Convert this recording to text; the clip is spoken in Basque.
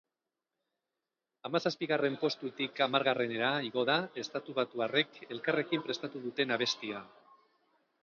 Hamazazpigarren postutik hamargarrenera igo da estatubatuarrek elkarrekin prestatu duten abestia.